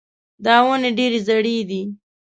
دا ونې ډېرې زاړې دي.